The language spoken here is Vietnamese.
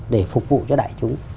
để phục vụ cho đại chúng